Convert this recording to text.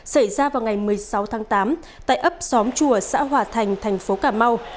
xảy ra vào ngày một mươi sáu tháng tám tại ấp xóm chùa xã hòa thành thành phố cà mau